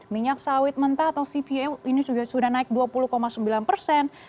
minyak sawit mentah atau cpo ini sudah naik dua puluh sembilan persen